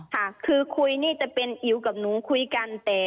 ค่ะคือคุยนี่จะเป็นอิ๋วกับหนูคุยกัน